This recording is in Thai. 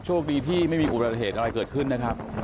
โชคดีที่ไม่มีอุบัติเหตุอะไรเกิดขึ้นนะครับ